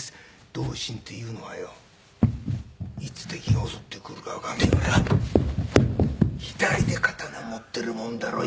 「同心っていうのはよいつ敵が襲ってくるかわかんねえから左で刀持っているもんだろう